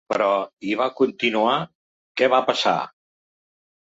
Però hi va continuar… què va passar?